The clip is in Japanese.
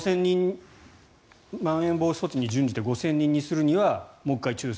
まん延防止措置に準じて５０００人にするにはもう１回抽選。